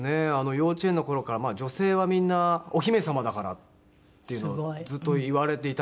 幼稚園の頃から「女性はみんなお姫様だから」っていうのをずっと言われていたので。